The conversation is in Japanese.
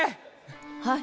はい。